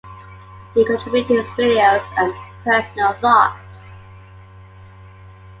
He contributed his videos and personal thoughts.